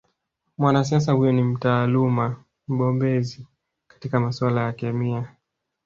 Mwanasiasa huyo ni mtaaluma mbobezi katika masuala ya kemia